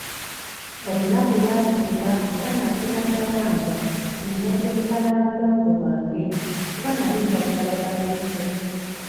Olunaku lwatuuka era nakeera nawankya ne neetegeka n'abalongo bange, kuba nali njagala babalabeko.